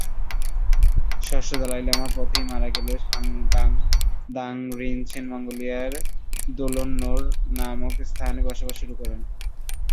ষষ্ঠ দলাই লামা পথেই মারা গেলেও ঙ্গাগ-দ্বাং-রিন-ছেন মঙ্গোলিয়ার দোলোন-নোর নামক স্থানে বসবাস শুরু করেন।